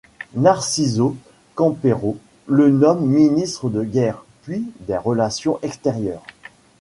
Narciso Campero le nomme ministre de Guerre, puis des Relations Extérieures.